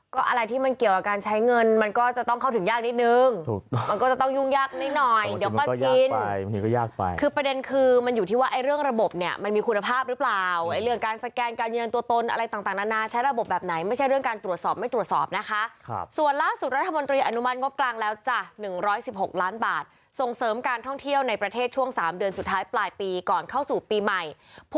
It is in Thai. ก็มีว่าเมื่อไหร่จะได้เงินมากกว่าเดิมใช่ไหม